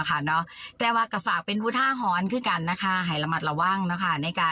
ความสุขแทร่งเป็นใดกะ